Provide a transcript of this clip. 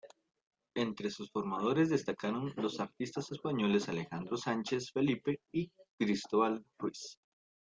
Entre sus formadores destacaron los artistas españoles Alejandro Sánchez Felipe y Cristóbal Ruiz.